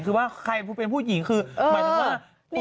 คือว่าใครเป็นผู้หญิงคือหมายถึงว่า